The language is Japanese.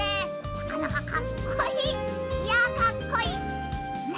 なかなかかっこいい！いやかっこいい！